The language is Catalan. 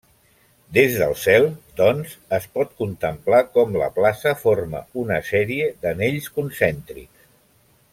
Des del cel, doncs, es pot contemplar com la plaça forma una sèrie d'anells concèntrics.